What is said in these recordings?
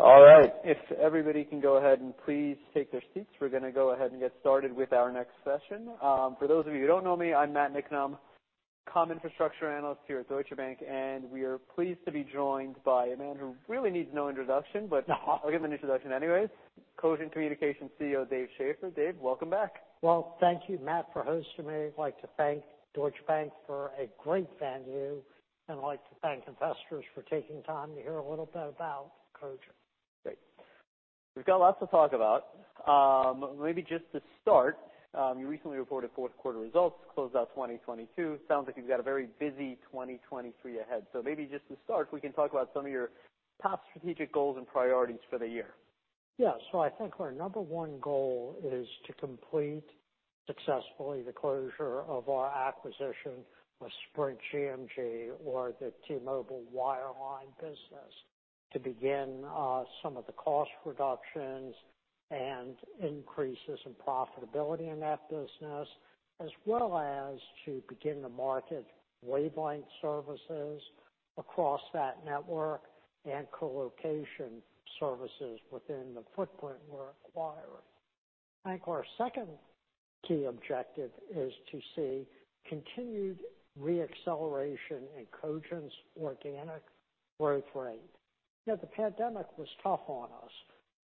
All right. If everybody can go ahead and please take their seats. We're gonna go ahead and get started with our next session. For those of you who don't know me, I'm Matt Niknam, Comm Infrastructure Analyst here at Deutsche Bank. We are pleased to be joined by a man who really needs no introduction. I'll give an introduction anyways. Cogent Communications CEO, Dave Schaeffer. Dave, welcome back. Well, thank you, Matt, for hosting me. I'd like to thank Deutsche Bank for a great venue, and I'd like to thank investors for taking time to hear a little bit about Cogent. Great. We've got lots to talk about. Maybe just to start, you recently reported fourth quarter results, closed out 2022. Sounds like you've got a very busy 2023 ahead. Maybe just to start, we can talk about some of your top strategic goals and priorities for the year. Yeah. I think our number one goal is to complete successfully the closure of our acquisition with Sprint GMG or the T-Mobile wireline business to begin some of the cost reductions and increases in profitability in that business, as well as to begin to market wavelength services across that network and colocation services within the footprint we're acquiring. I think our second key objective is to see continued re-acceleration in Cogent's organic growth rate. You know, the pandemic was tough on us.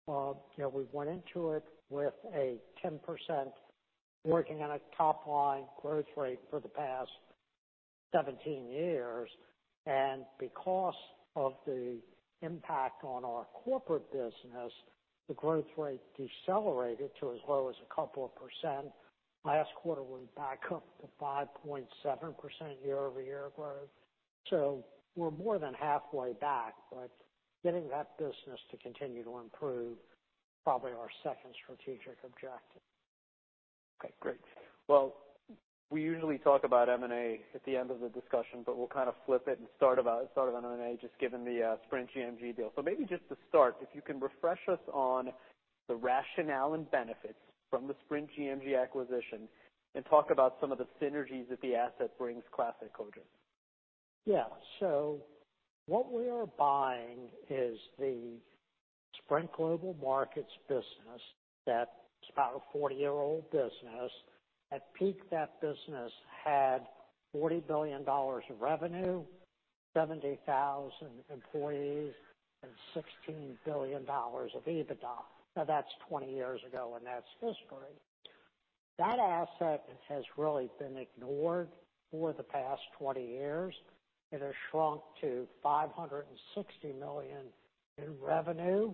You know, we went into it with a 10% working on a top-line growth rate for the past 17 years. Because of the impact on our corporate business, the growth rate decelerated to as low as a couple of %. Last quarter was back up to 5.7% year-over-year growth. We're more than halfway back, but getting that business to continue to improve, probably our second strategic objective. Okay, great. We usually talk about M&A at the end of the discussion, but we'll kinda flip it and start on M&A just given the Sprint GMG deal. Maybe just to start, if you can refresh us on the rationale and benefits from the Sprint GMG acquisition and talk about some of the synergies that the asset brings classic Cogent. Yeah. What we are buying is the Sprint Global Markets business that is about a 40-year-old business. At peak, that business had $40 billion of revenue, 70,000 employees, and $16 billion of EBITDA. That's 20 years ago, and that's history. That asset has really been ignored for the past 20 years. It has shrunk to $560 million in revenue,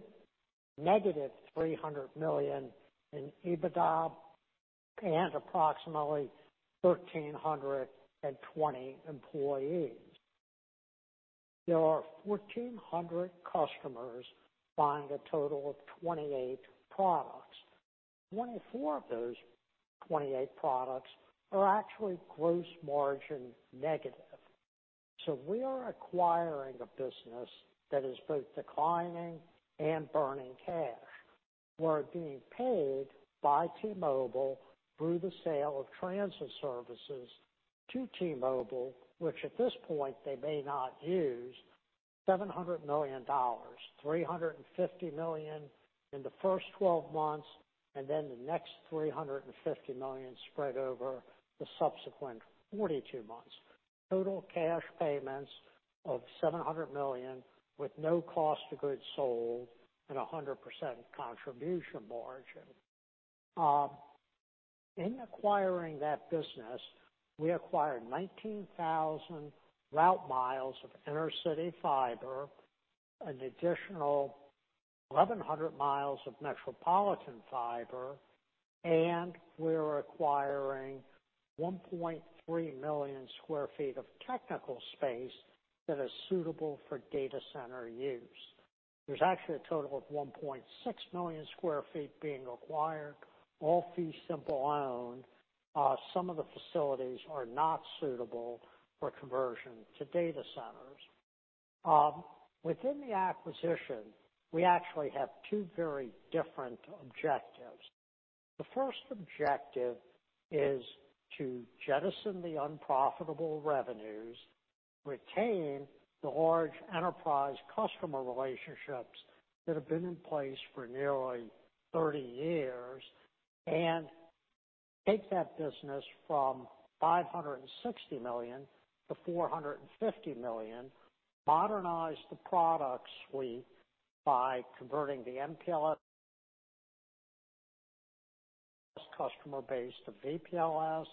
negative $300 million in EBITDA, and approximately 1,320 employees. There are 1,400 customers buying a total of 28 products. 24 of those 28 products are actually gross margin negative. We are acquiring a business that is both declining and burning cash. We're being paid by T-Mobile through the sale of transit services to T-Mobile, which at this point they may not use, $700 million, $350 million in the first 12 months, and then the next $350 million spread over the subsequent 42 months. Total cash payments of $700 million with no cost of goods sold and a 100% contribution margin. In acquiring that business, we acquired 19,000 route miles of intercity fiber, an additional 1,100 miles of metropolitan fiber, and we're acquiring 1.3 million sq ft of technical space that is suitable for data center use. There's actually a total of 1.6 million sq ft being acquired, all fee simple owned. Some of the facilities are not suitable for conversion to data centers. Within the acquisition, we actually have two very different objectives. The first objective is to jettison the unprofitable revenues, retain the large enterprise customer relationships that have been in place for nearly 30 years, and take that business from $560 million to $450 million, modernize the product suite by converting the MPLS customer base to VPLS,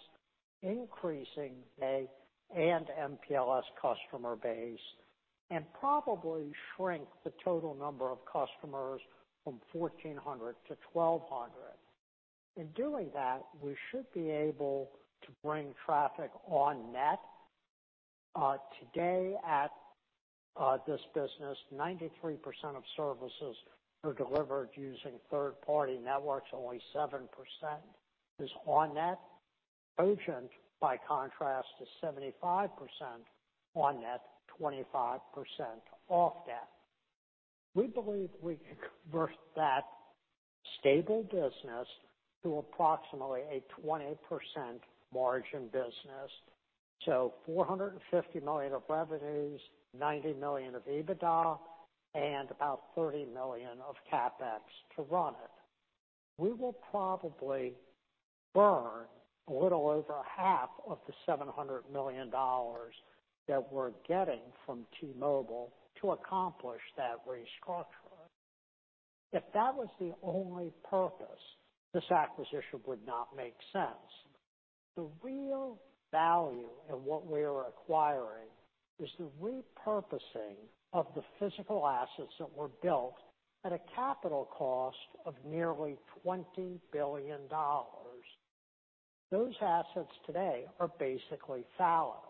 increasing and MPLS customer base, and probably shrink the total number of customers from 1,400 to 1,200. In doing that, we should be able to bring traffic on net. Today at this business, 93% of services are delivered using third-party networks. Only 7% is on net. Cogent, by contrast, is 75% on net, 25% off net. We believe we can convert that stable business to approximately a 20% margin business. $450 million of revenues, $90 million of EBITDA, and about $30 million of CapEx to run it. We will probably burn a little over half of the $700 million that we're getting from T-Mobile to accomplish that restructure. If that was the only purpose, this acquisition would not make sense. The real value in what we are acquiring is the repurposing of the physical assets that were built at a capital cost of nearly $20 billion. Those assets today are basically fallow.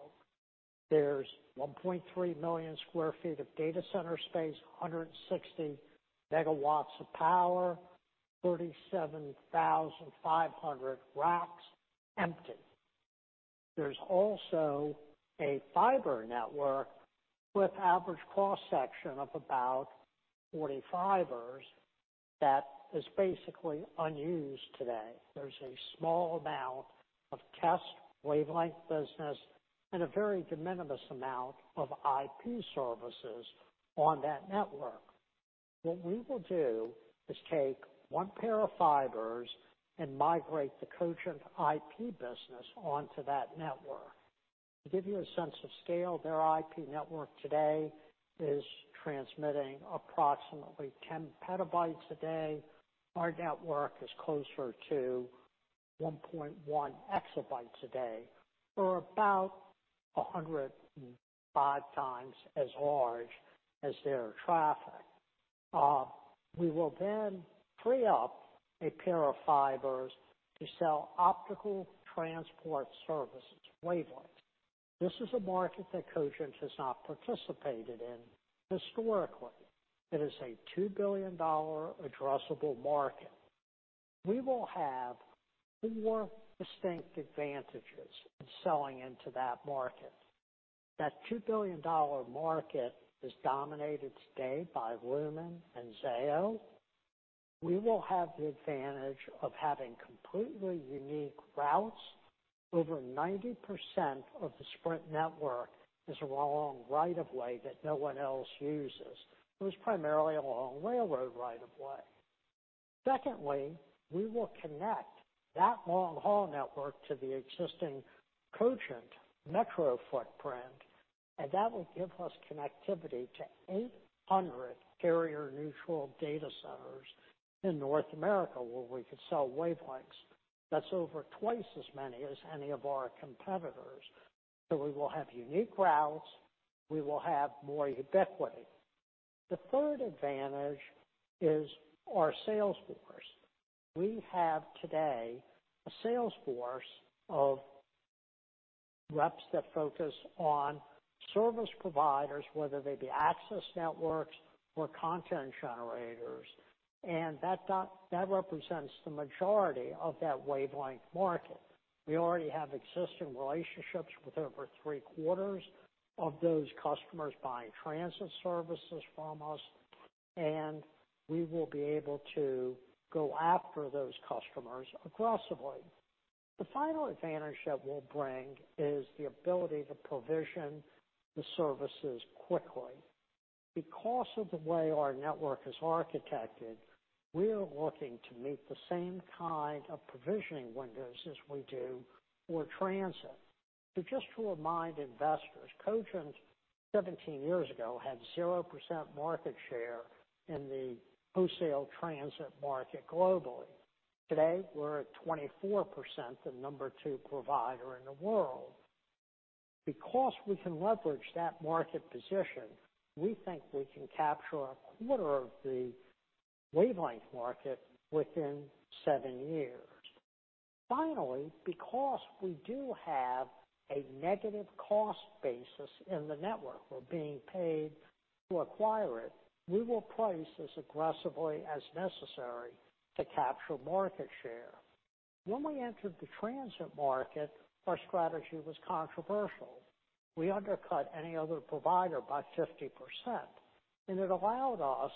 There's 1.3 million sq ft of data center space, 160 MW of power, 37,500 racks empty. There's also a fiber network with average cross-section of about 40 fibers that is basically unused today. There's a small amount of test wavelength business and a very de minimis amount of IP services on that network. What we will do is take one pair of fibers and migrate the Cogent IP business onto that network. To give you a sense of scale, their IP network today is transmitting approximately 10 petabytes a day. Our network is closer to 1.1 exabytes a day, or about 105x as large as their traffic. We will then free up a pair of fibers to sell optical transport services wavelengths. This is a market that Cogent has not participated in historically. It is a $2 billion addressable market. We will have four distinct advantages in selling into that market. That $2 billion market is dominated today by Lumen and Zayo. We will have the advantage of having completely unique routes. Over 90% of the Sprint network is along right of way that no one else uses. It was primarily along railroad right of way. We will connect that long-haul network to the existing Cogent metro footprint, and that will give us connectivity to 800 Carrier-Neutral Data Centers in North America where we can sell wavelengths. That's over twice as many as any of our competitors. We will have unique routes, we will have more ubiquity. The third advantage is our sales force. We have today a sales force of reps that focus on service providers, whether they be access networks or content generators, and that represents the majority of that wavelength market. We already have existing relationships with over three-quarters of those customers buying transit services from us, and we will be able to go after those customers aggressively. The final advantage that we'll bring is the ability to provision the services quickly. Because of the way our network is architected, we are looking to meet the same kind of provisioning windows as we do for transit. Just to remind investors, Cogent, 17 years ago, had 0% market share in the wholesale transit market globally. Today, we're at 24%, the number two provider in the world. Because we can leverage that market position, we think we can capture a quarter of the wavelength market within seven years. Finally, because we do have a negative cost basis in the network, we're being paid to acquire it, we will price as aggressively as necessary to capture market share. When we entered the transit market, our strategy was controversial. We undercut any other provider by 50%, and it allowed us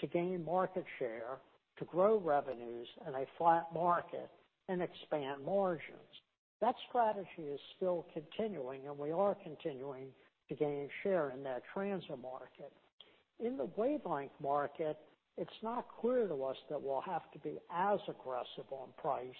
to gain market share, to grow revenues in a flat market, and expand margins. That strategy is still continuing. We are continuing to gain share in that transit market. In the wavelength market, it's not clear to us that we'll have to be as aggressive on price.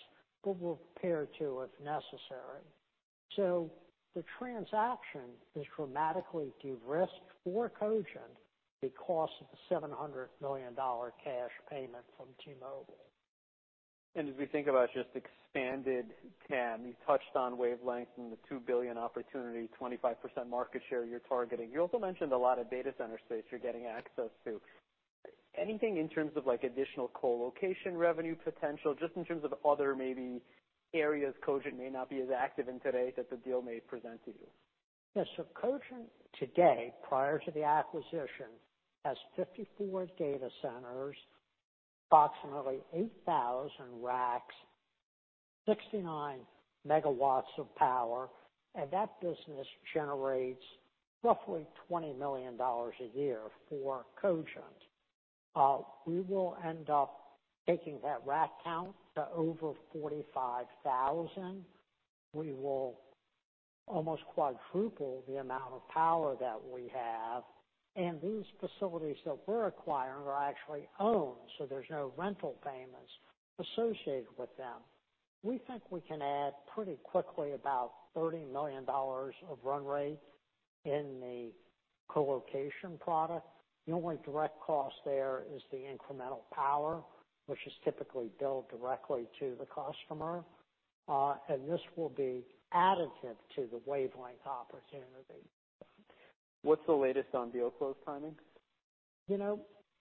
We'll compare to if necessary. The transaction is dramatically de-risked for Cogent because of the $700 million cash payment from T-Mobile. As we think about just expanded TAM, you touched on wavelength and the $2 billion opportunity, 25% market share you're targeting. You also mentioned a lot of data center space you're getting access to. Anything in terms of, like, additional colocation revenue potential, just in terms of other maybe areas Cogent may not be as active in today that the deal may present to you? Cogent today, prior to the acquisition, has 54 data centers, approximately 8,000 racks, 69 megawatts of power, and that business generates roughly $20 million a year for Cogent. We will end up taking that rack count to over 45,000. We will almost quadruple the amount of power that we have, and these facilities that we're acquiring are actually owned, so there's no rental payments associated with them. We think we can add pretty quickly about $30 million of run rate in the colocation product. The only direct cost there is the incremental power, which is typically billed directly to the customer. This will be additive to the Wavelength opportunity. What's the latest on deal close timing? You know,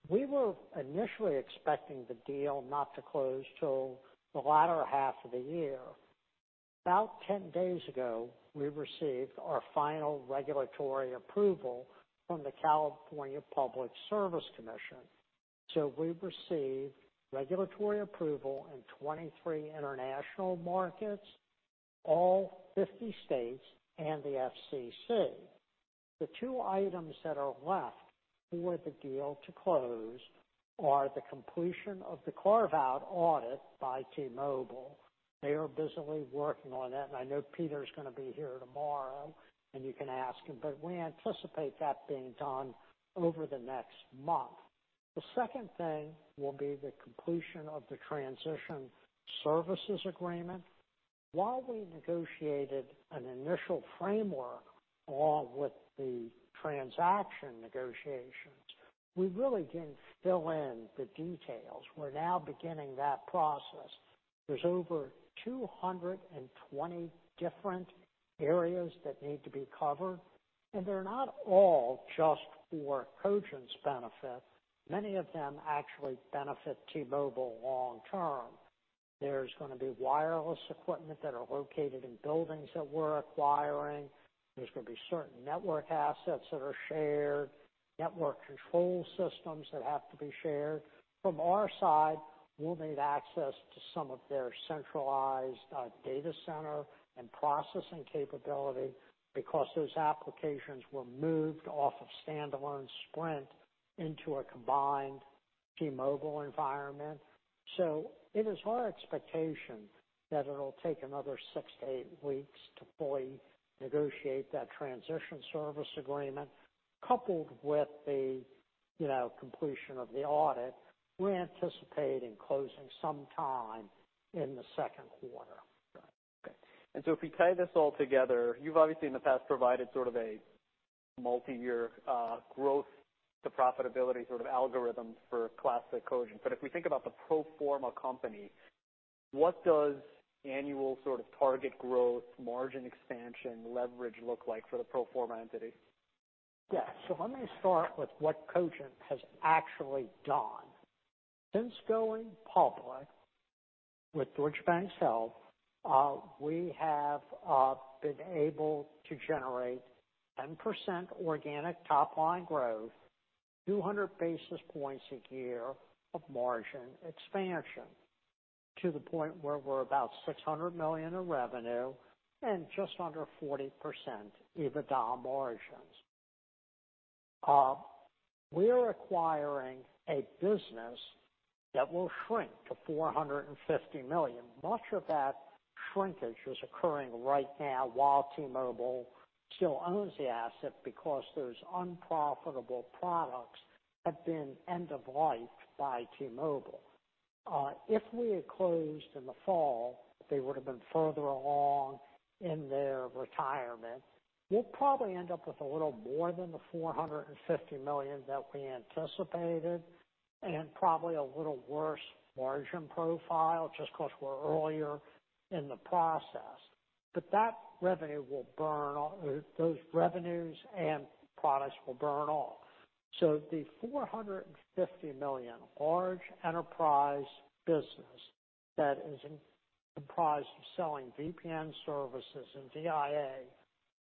we were initially expecting the deal not to close till the latter half of the year. About 10 days ago, we received our final regulatory approval from the California Public Utilities Commission. We've received regulatory approval in 23 international markets, all 50 states, and the FCC. The two items that are left for the deal to close are the completion of the carve-out audit by T-Mobile. They are busily working on that, and I know Peter's gonna be here tomorrow and you can ask him, but we anticipate that being done over the next month. The second thing will be the completion of the transition services agreement. While we negotiated an initial framework along with the transaction negotiations, we really didn't fill in the details. We're now beginning that process. There's over 220 different areas that need to be covered. They're not all just for Cogent's benefit. Many of them actually benefit T-Mobile long term. There's gonna be wireless equipment that are located in buildings that we're acquiring. There's gonna be certain network assets that are shared, network control systems that have to be shared. From our side, we'll need access to some of their centralized data center and processing capability because those applications were moved off of standalone Sprint into a combined T-Mobile environment. It is our expectation that it'll take another 6-8 weeks to fully negotiate that transition services agreement. Coupled with the, you know, completion of the audit, we're anticipating closing some time in the second quarter. Okay. If we tie this all together, you've obviously in the past provided sort of a multi-year growth to profitability sort of algorithm for classic Cogent. If we think about the pro forma company, what does annual sort of target growth, margin expansion, leverage look like for the pro forma entity? Let me start with what Cogent has actually done. Since going public with Deutsche Bank's help, we have been able to generate 10% organic top line growth, 200 basis points a year of margin expansion, to the point where we're about $600 million in revenue and just under 40% EBITDA margins. We're acquiring a business that will shrink to $450 million. Much of that shrinkage is occurring right now while T-Mobile still owns the asset because those unprofitable products have been end of lifed by T-Mobile. If we had closed in the fall, they would've been further along in their retirement. We'll probably end up with a little more than the $450 million that we anticipated and probably a little worse margin profile just 'cause we're earlier in the process. That revenue will burn off. Those revenues and products will burn off. The $450 million large enterprise business that is comprised of selling VPN services and DIA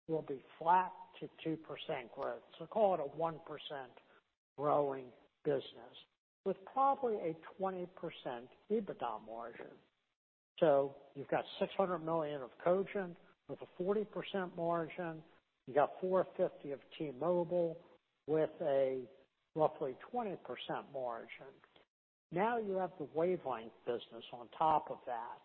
will be flat to 2% growth, call it a 1% growing business with probably a 20% EBITDA margin. You've got $600 million of Cogent with a 40% margin. You got $450 of T-Mobile with a roughly 20% margin. You have the Wavelength business on top of that.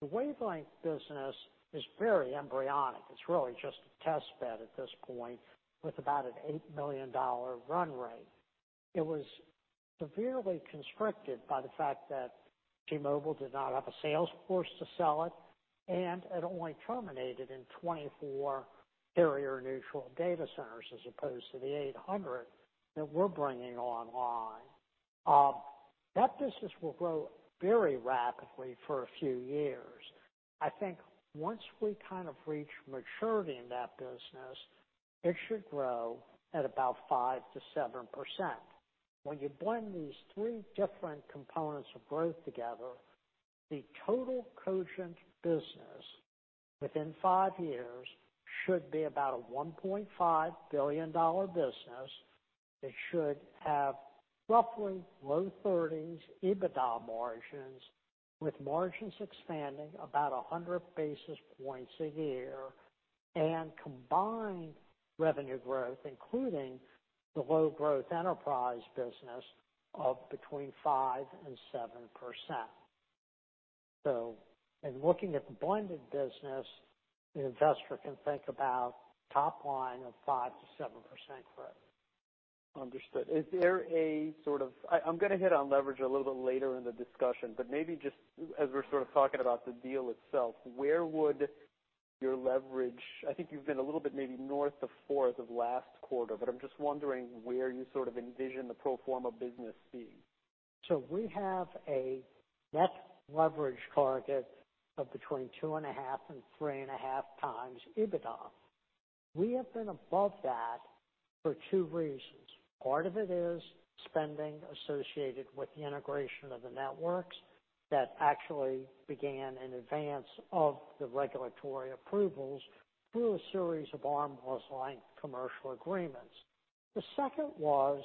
The Wavelength business is very embryonic. It's really just a test bed at this point with about an $8 million run rate. It was severely constricted by the fact that T-Mobile did not have a sales force to sell it, and it only terminated in 24 Carrier-Neutral Data Centers as opposed to the 800 that we're bringing online. That business will grow very rapidly for a few years. I think once we kind of reach maturity in that business, it should grow at about 5%-7%. When you blend these three different components of growth together, the total Cogent business within five years should be about a $1.5 billion business. It should have roughly low 30s EBITDA margins, with margins expanding about 100 basis points a year and combined revenue growth, including the low growth enterprise business of between 5% and 7%. In looking at the blended business, the investor can think about top line of 5% to 7% growth. Understood. Is there a sort of? I'm gonna hit on leverage a little bit later in the discussion. Maybe just as we're sort of talking about the deal itself, where would your leverage. I think you've been a little bit maybe north of four of last quarter. I'm just wondering where you sort of envision the pro forma business being. We have a net leverage target of between 2.5x and 3.5x EBITDA. We have been above that for two reasons. Part of it is spending associated with the integration of the networks that actually began in advance of the regulatory approvals through a series of arm's length commercial agreements. The second was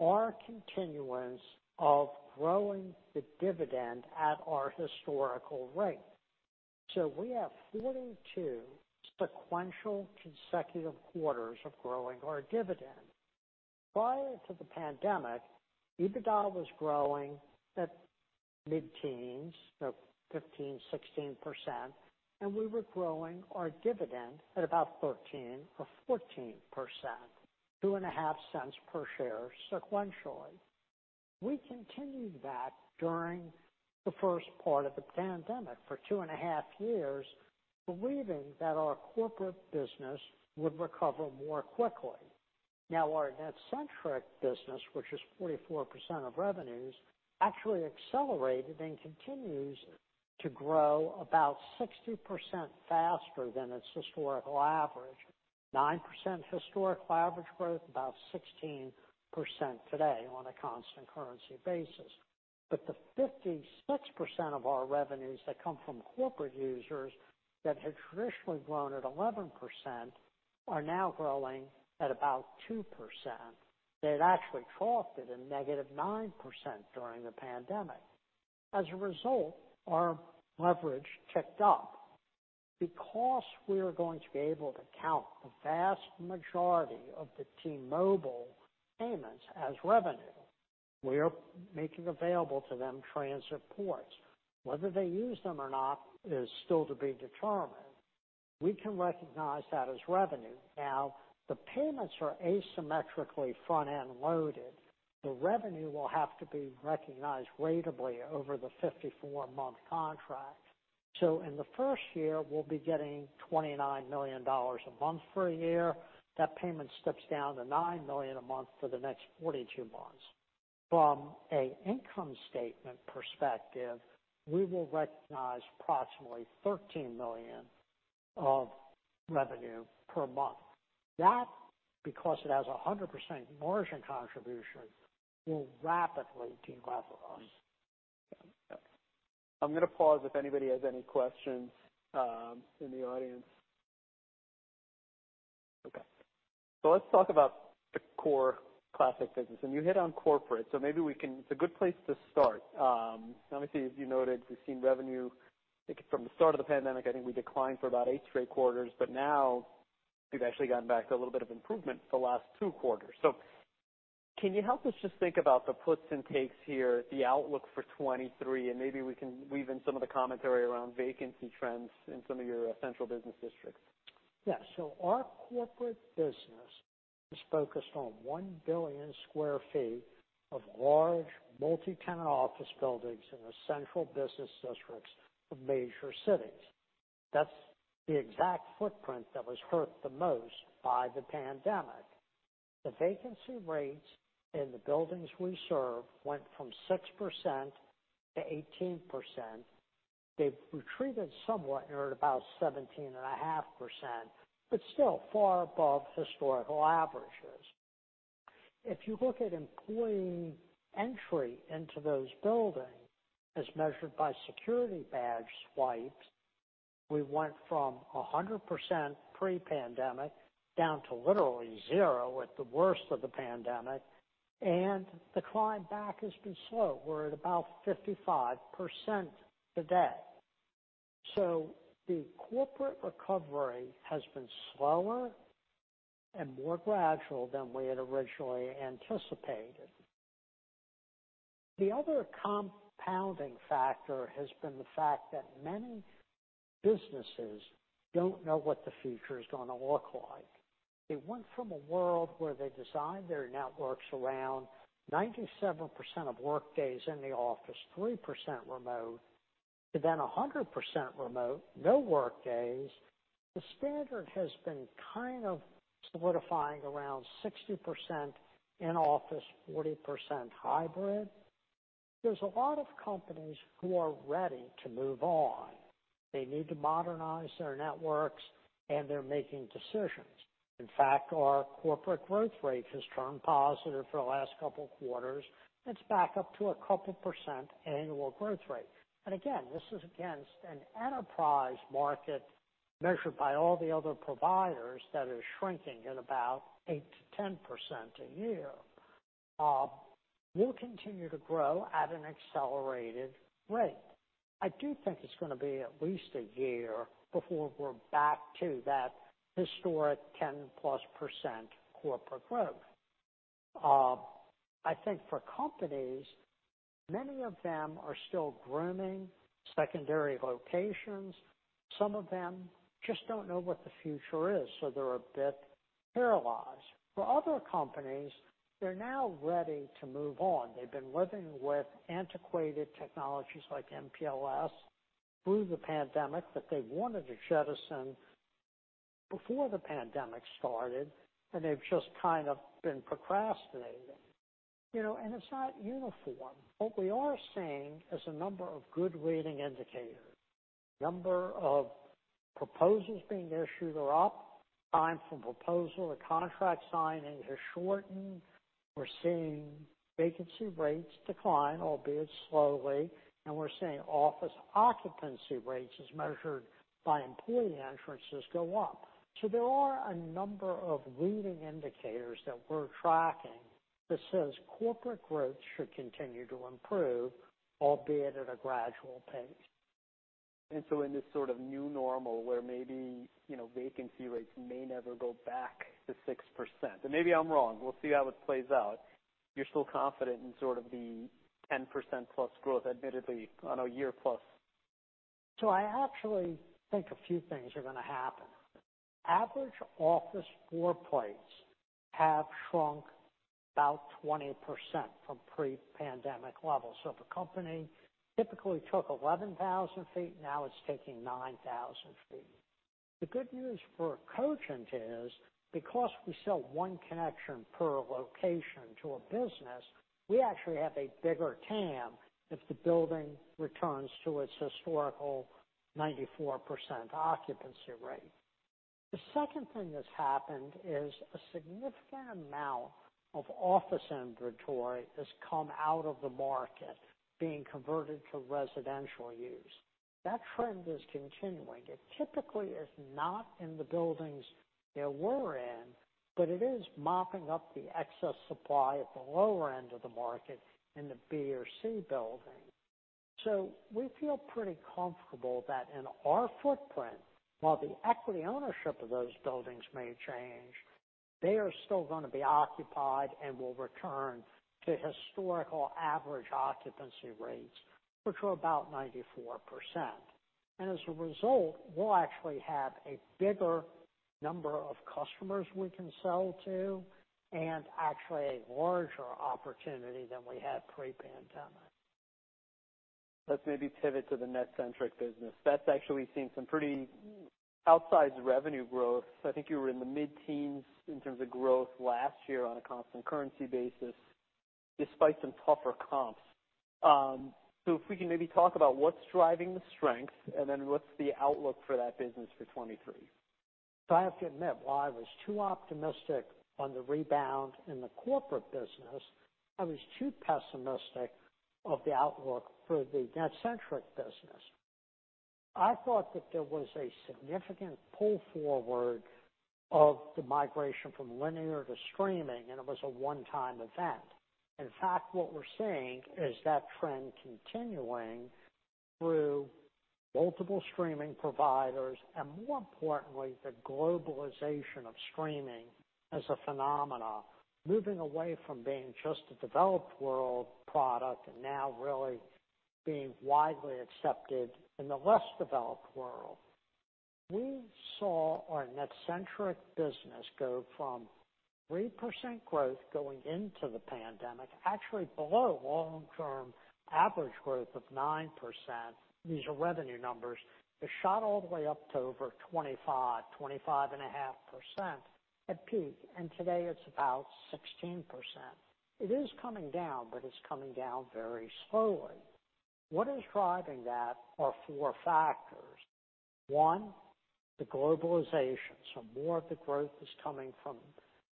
our continuance of growing the dividend at our historical rate. We have 42 sequential consecutive quarters of growing our dividend. Prior to the pandemic, EBITDA was growing at mid-teens, so 15%, 16%, and we were growing our dividend at about 13% or 14%, two and a half cents per share sequentially. We continued that during the first part of the pandemic for 2.5 years, believing that our corporate business would recover more quickly. Our NetCentric business, which is 44% of revenues, actually accelerated and continues to grow about 60% faster than its historical average. 9% historical average growth, about 16% today on a constant currency basis. The 56% of our revenues that come from corporate users that had traditionally grown at 11% are now growing at about 2%. They had actually faltered in -9% during the pandemic. As a result, our leverage ticked up. Because we are going to be able to count the vast majority of the T-Mobile payments as revenue, we are making available to them transit ports. Whether they use them or not is still to be determined. We can recognize that as revenue. The payments are asymmetrically front-end loaded. The revenue will have to be recognized ratably over the 54-month contract. In the first year, we'll be getting $29 million a month for a year. That payment steps down to $9 million a month for the next 42 months. From a income statement perspective, we will recognize approximately $13 million of revenue per month. That, because it has a 100% margin contribution, will rapidly de-leverage us. I'm going to pause if anybody has any questions in the audience. Okay, let's talk about the core classic business. You hit on corporate, maybe it's a good place to start. Obviously, as you noted, we've seen revenue, I think, from the start of the pandemic, I think we declined for about eight straight quarters, but now we've actually gotten back to a little bit of improvement the last two quarters. Can you help us just think about the puts and takes here, the outlook for 2023, and maybe we can weave in some of the commentary around vacancy trends in some of your central business districts? Our corporate business is focused on 1 billion sq ft of large multi-tenant office buildings in the central business districts of major cities. That's the exact footprint that was hurt the most by the pandemic. The vacancy rates in the buildings we serve went from 6% to 18%. They've retreated somewhat. They are at about 17.5%, but still far above historical averages. If you look at employee entry into those buildings, as measured by security badge swipes, we went from 100% pre-pandemic down to literally 0 at the worst of the pandemic, and the climb back has been slow. We're at about 55% today. The corporate recovery has been slower and more gradual than we had originally anticipated. The other compounding factor has been the fact that many businesses don't know what the future is gonna look like. They went from a world where they designed their networks around 97% of work days in the office, 3% remote, to then 100% remote, no work days. The standard has been kind of solidifying around 60% in office, 40% hybrid. There's a lot of companies who are ready to move on. They need to modernize their networks. They're making decisions. In fact, our corporate growth rate has turned positive for the last couple of quarters. It's back up to a couple percent annual growth rate. Again, this is against an enterprise market measured by all the other providers that are shrinking at about 8% to 10% a year. We'll continue to grow at an accelerated rate. I do think it's gonna be at least a year before we're back to that historic 10%+ corporate growth. I think for companies, many of them are still grooming secondary locations. Some of them just don't know what the future is, so they're a bit paralyzed. For other companies, they're now ready to move on. They've been living with antiquated technologies like MPLS through the pandemic that they wanted to jettison before the pandemic started, and they've just kind of been procrastinating. You know, it's not uniform. What we are seeing is a number of good leading indicators. Number of proposals being issued are up. Time from proposal to contract signing has shortened. We're seeing vacancy rates decline, albeit slowly, and we're seeing office occupancy rates as measured by employee entrances go up. There are a number of leading indicators that we're tracking that says corporate growth should continue to improve, albeit at a gradual pace. In this sort of new normal where maybe, you know, vacancy rates may never go back to 6%. Maybe I'm wrong. We'll see how it plays out. You're still confident in sort of the 10% plus growth, admittedly on a year plus. I actually think a few things are gonna happen. Average office floor plates have shrunk about 20% from pre-pandemic levels. If a company typically took 11,000 feet, now it's taking 9,000 feet. The good news for Cogent is, because we sell one connection per location to a business, we actually have a bigger TAM if the building returns to its historical 94% occupancy rate. The second thing that's happened is a significant amount of office inventory has come out of the market being converted to residential use. That trend is continuing. It typically is not in the buildings that we're in, but it is mopping up the excess supply at the lower end of the market in the B or C building. We feel pretty comfortable that in our footprint, while the equity ownership of those buildings may change, they are still gonna be occupied and will return to historical average occupancy rates, which were about 94%. As a result, we'll actually have a bigger number of customers we can sell to and actually a larger opportunity than we had pre-pandemic. Let's maybe pivot to the NetCentric business. That's actually seen some pretty outsized revenue growth. I think you were in the mid-teens in terms of growth last year on a constant currency basis, despite some tougher comps. If we can maybe talk about what's driving the strength and then what's the outlook for that business for 2023? I have to admit, while I was too optimistic on the rebound in the corporate business, I was too pessimistic of the outlook for the NetCentric business. I thought that there was a significant pull forward of the migration from linear to streaming, and it was a one-time event. In fact, what we're seeing is that trend continuing through multiple streaming providers and, more importantly, the globalization of streaming as a phenomena, moving away from being just a developed world product and now really being widely accepted in the less developed world. We saw our NetCentric business go from 3% growth going into the pandemic, actually below long-term average growth of 9%. These are revenue numbers. It shot all the way up to over 25%, 25.5% at peak, and today it's about 16%. It is coming down, but it's coming down very slowly. What is driving that are four factors. One, the globalization. More of the growth is coming from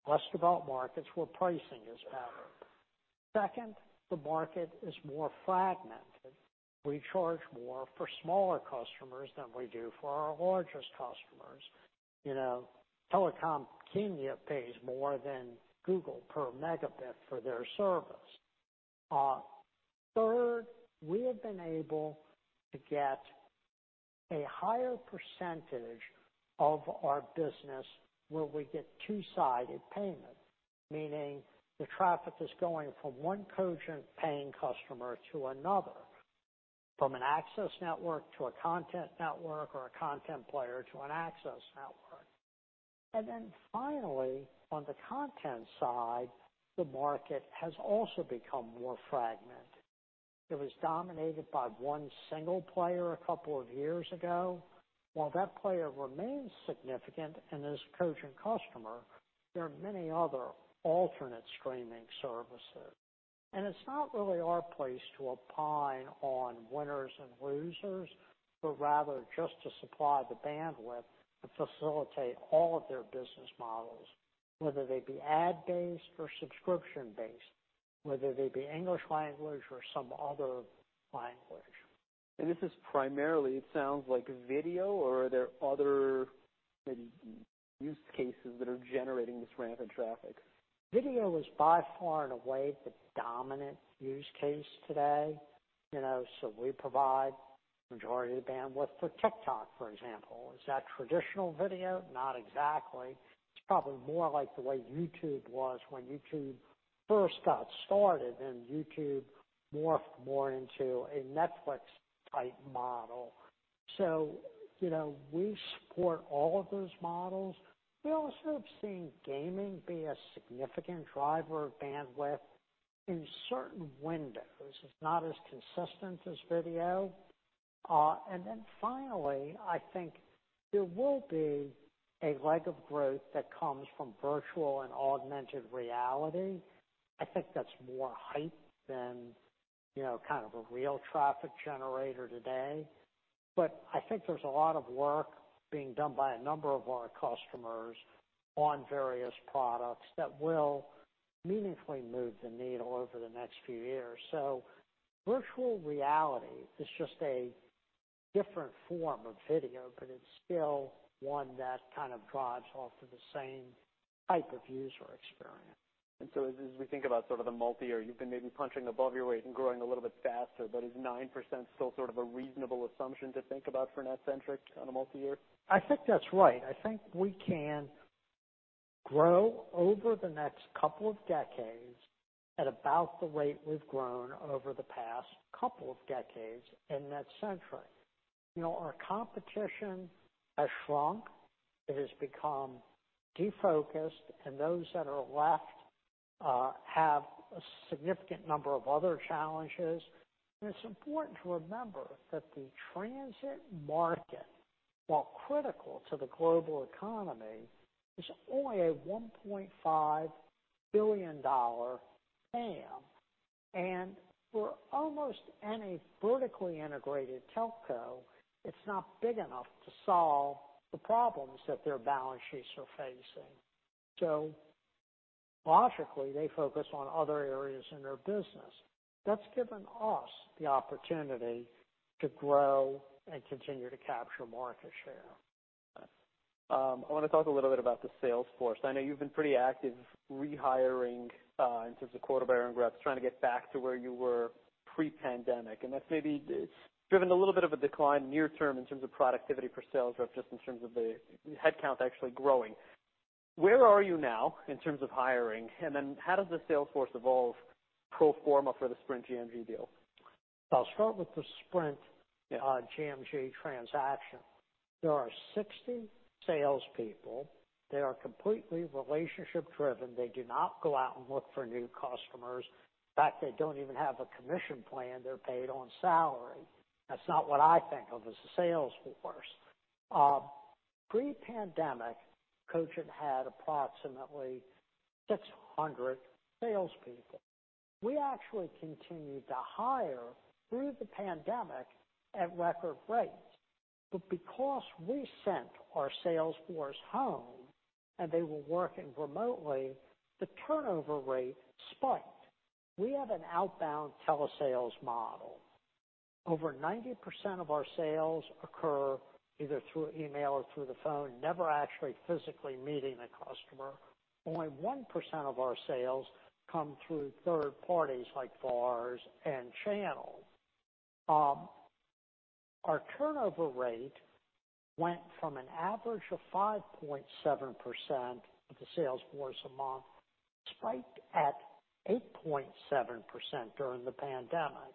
less developed markets where pricing is better. Second, the market is more fragmented. We charge more for smaller customers than we do for our largest customers. You know, Telkom Kenya pays more than Google per megabit for their service. Third, we have been able to get a higher percentage of our business where we get two-sided payment, meaning the traffic is going from one Cogent paying customer to another, from an access network to a content network or a content player to an access network. Finally, on the content side, the market has also become more fragmented. It was dominated by one single player a couple of years ago. While that player remains significant and is a Cogent customer, there are many other alternate streaming services. It's not really our place to opine on winners and losers, but rather just to supply the bandwidth to facilitate all of their business models, whether they be ad-based or subscription-based, whether they be English language or some other language. This is primarily, it sounds like video or are there other maybe use cases that are generating this rampant traffic? Video is by far and away the dominant use case today. You know, we provide majority of the bandwidth for TikTok, for example. Is that traditional video? Not exactly. It's probably more like the way YouTube was when YouTube first got started, and YouTube morphed more into a Netflix type model. You know, we support all of those models. We also have seen gaming be a significant driver of bandwidth in certain windows. It's not as consistent as video. Finally, I think there will be a leg of growth that comes from virtual and augmented reality. I think that's more hype than, you know, kind of a real traffic generator today. I think there's a lot of work being done by a number of our customers on various products that will meaningfully move the needle over the next few years. Virtual reality is just a different form of video, but it's still one that kind of drives off of the same type of user experience. As we think about sort of the multi-year, you've been maybe punching above your weight and growing a little bit faster, but is 9% still sort of a reasonable assumption to think about for NetCentric on a multi-year? I think that's right. I think we can grow over the next couple of decades at about the rate we've grown over the past couple of decades in NetCentric. You know, our competition has shrunk. It has become defocused, and those that are left have a significant number of other challenges. It's important to remember that the transit market, while critical to the global economy, is only a $1.5 billion TAM. For almost any vertically integrated telco, it's not big enough to solve the problems that their balance sheets are facing. Logically, they focus on other areas in their business. That's given us the opportunity to grow and continue to capture market share. I want to talk a little bit about the sales force. I know you've been pretty active rehiring in terms of quarter over year and growth, trying to get back to where you were pre-pandemic. That's maybe driven a little bit of a decline near term in terms of productivity per sales rep, just in terms of the headcount actually growing. Where are you now in terms of hiring? How does the sales force evolve pro forma for the Sprint GMG deal? I'll start with the Sprint GMG transaction. There are 60 salespeople. They are completely relationship-driven. They do not go out and look for new customers. In fact, they don't even have a commission plan. They're paid on salary. That's not what I think of as a sales force. Pre-pandemic, Cogent had approximately 600 salespeople. We actually continued to hire through the pandemic at record rates, but because we sent our sales force home and they were working remotely, the turnover rate spiked. We have an outbound telesales model. Over 90% of our sales occur either through email or through the phone, never actually physically meeting the customer. Only 1% of our sales come through third parties like VARs and channel. Our turnover rate went from an average of 5.7% of the sales force a month, spiked at 8.7% during the pandemic.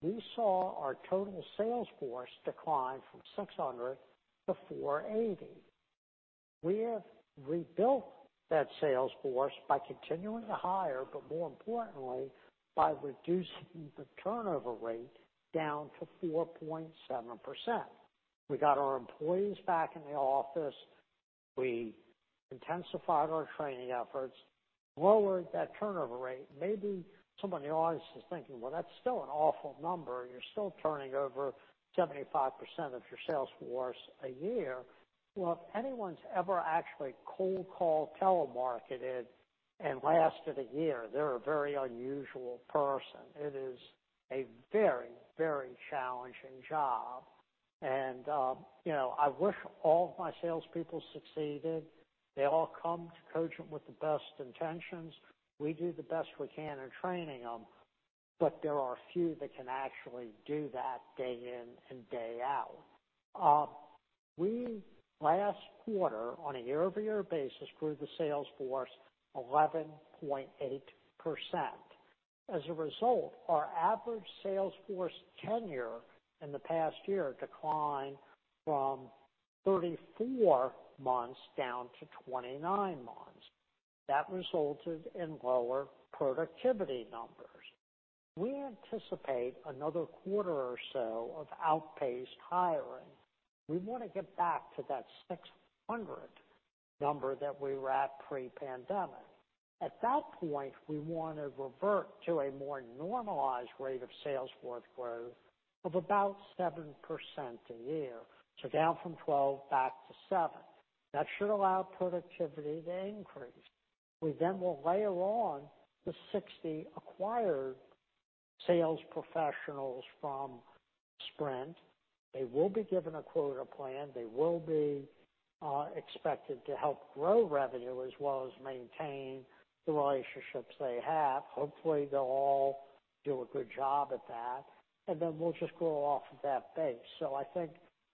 We saw our total sales force decline from 600 to 480. We have rebuilt that sales force by continuing to hire, but more importantly, by reducing the turnover rate down to 4.7%. We got our employees back in the office. We intensified our training efforts, lowered that turnover rate. Maybe someone in the audience is thinking, "Well, that's still an awful number. You're still turning over 75% of your sales force a year." Well, if anyone's ever actually cold called telemarketed and lasted a year, they're a very unusual person. It is a very, very challenging job. You know, I wish all of my salespeople succeeded. They all come to Cogent with the best intentions. We do the best we can in training them, but there are a few that can actually do that day in and day out. We last quarter on a year-over-year basis, grew the sales force 11.8%. As a result, our average sales force tenure in the past year declined from 34 months down to 29 months. That resulted in lower productivity numbers. We anticipate another quarter or so of outpaced hiring. We want to get back to that 600 number that we were at pre-pandemic. At that point, we want to revert to a more normalized rate of sales force growth of about 7% a year. Down from 12 back to 7. That should allow productivity to increase. We will layer on the 60 acquired sales professionals from Sprint. They will be given a quota plan. They will be expected to help grow revenue as well as maintain the relationships they have. Hopefully, they'll all do a good job at that, and then we'll just grow off of that base. I think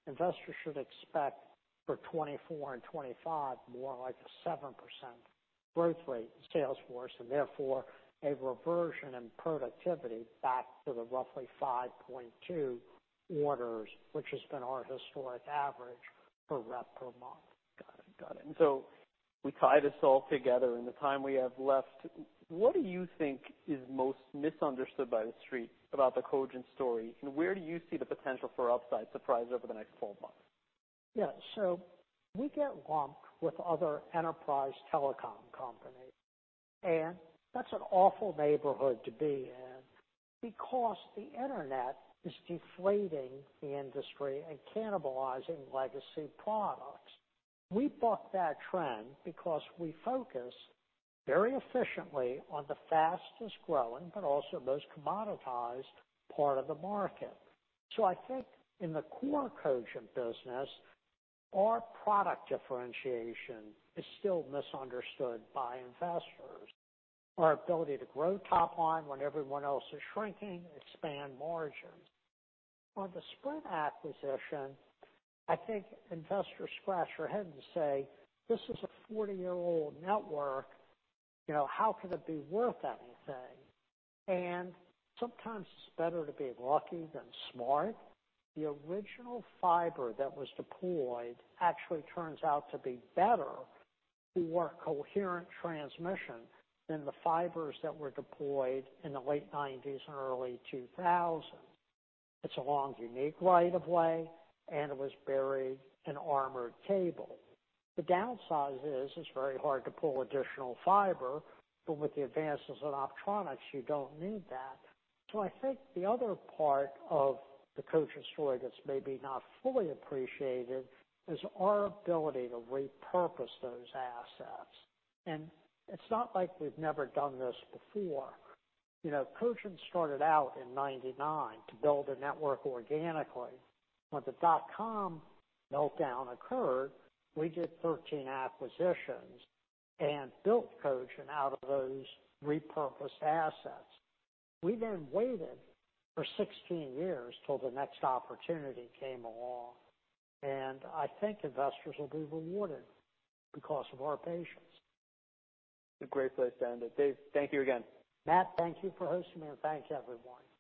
investors should expect for 2024 and 2025, more like a 7% growth rate in sales force, and therefore a reversion in productivity back to the roughly 5.2 orders, which has been our historic average per rep per month. Got it. Got it. We tie this all together in the time we have left. What do you think is most misunderstood by The Street about the Cogent story, and where do you see the potential for upside surprise over the next 12 months? Yeah. We get lumped with other enterprise telecom companies, and that's an awful neighborhood to be in because the Internet is deflating the industry and cannibalizing legacy products. We buck that trend because we focus very efficiently on the fastest-growing but also most commoditized part of the market. I think in the core Cogent business, our product differentiation is still misunderstood by investors. Our ability to grow top line when everyone else is shrinking, expand margins. On the Sprint acquisition, I think investors scratch their heads and say, "This is a 40-year-old network, you know, how can it be worth anything?" Sometimes it's better to be lucky than smart. The original fiber that was deployed actually turns out to be better for coherent transmission than the fibers that were deployed in the late 1990s and early 2000s. It's a long, unique right of way. It was buried in armored cable. The downside is it's very hard to pull additional fiber. With the advances in optronics, you don't need that. I think the other part of the Cogent story that's maybe not fully appreciated is our ability to repurpose those assets. It's not like we've never done this before. You know, Cogent started out in 1999 to build a network organically. When the dot-com meltdown occurred, we did 13 acquisitions and built Cogent out of those repurposed assets. We waited for 16 years till the next opportunity came along, and I think investors will be rewarded because of our patience. It's a great place to end it. Dave, thank you again. Matt, thank you for hosting me, and thanks, everyone.